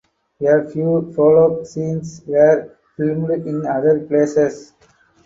A few prologue scenes were filmed in other places.